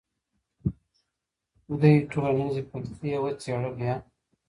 دوی ټولنیزې پدیدې وڅېړلې.